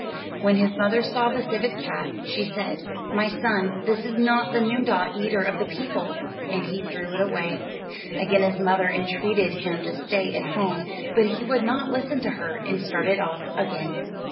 When his mother saw the civet cat, she said, "My son, this is not the noondah, eater of the people." And he threw it away. Again his mother entreated him to stay at home, but he would not listen to her, and started off again.